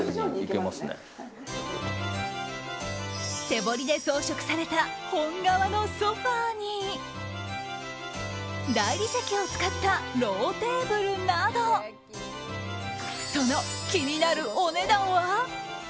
手彫りで装飾された本革のソファに大理石を使ったローテーブルなどその気になるお値段は？